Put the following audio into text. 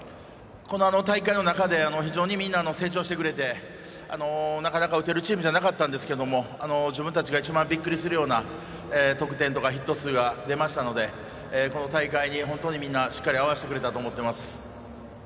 この大会の中で非常にみんな成長してくれてなかなか打てるチームじゃなかったんですけど自分たちが一番びっくりするような得点とかヒット数が出ましたのでこの大会にみんなしっかり合わせてくれたと思ってます。